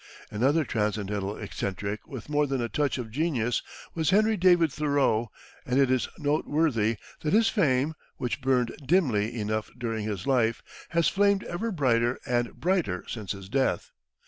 Another Transcendental eccentric with more than a touch of genius was Henry David Thoreau, and it is noteworthy that his fame, which burned dimly enough during his life, has flamed ever brighter and brighter since his death.